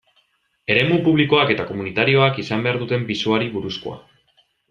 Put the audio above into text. Eremu publikoak eta komunitarioak izan behar duten pisuari buruzkoa.